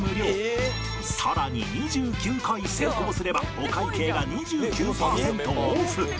更に２９回成功すればお会計が２９パーセントオフ。